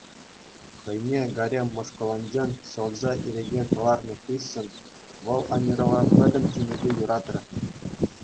Хӑйне гарем мӑшкӑлӗнчен ҫӑлса ирӗке кӑларнӑ хыҫҫӑн вӑл Амирова пӗтӗм чунӗпе юратрӗ.